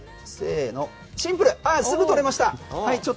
シンプルにすぐ取れました。